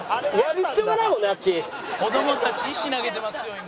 「子どもたち石投げてますよ今」